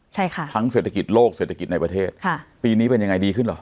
ใช่ค่ะทั้งเศรษฐกิจโลกเศรษฐกิจในประเทศค่ะปีนี้เป็นยังไงดีขึ้นเหรอ